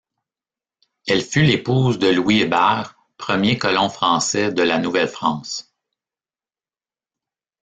Elle fut l'épouse de Louis Hébert, premier colon français de la Nouvelle-France.